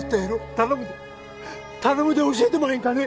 頼むで頼むで教えてもらえんかね